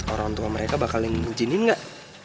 orang tua mereka bakal ingin ngujinin nggak